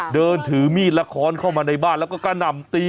เดินถือมีดละครเข้ามาในบ้านแล้วก็กระหน่ำตี